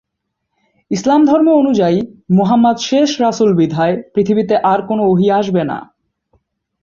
ইসলাম ধর্ম অনুযায়ী মুহাম্মাদ শেষ রাসুল বিধায় পৃথিবীতে আর কোনো ওহী আসবে না।""